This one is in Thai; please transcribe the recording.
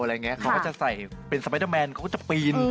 เขาก็จะใส่เป็นสไปเดอร์แมนเขาก็จะปีน